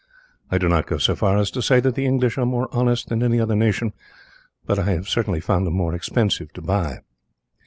I do not go so far as to say that the English are more honest than any other nation, but I have found them more expensive to buy.